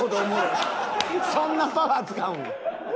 そんなパワー使うん？